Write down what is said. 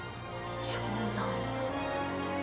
「そうなんだ」